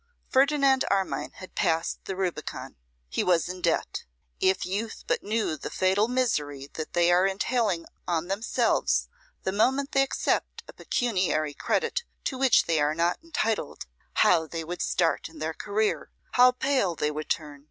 Ferdinand Armine had passed the Rubicon. He was in debt. If youth but knew the fatal misery that they are entailing on themselves the moment they accept a pecuniary credit to which they are not entitled, how they would start in their career! how pale they would turn!